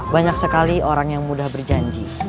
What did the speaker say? banyak sekali orang yang mudah berjanji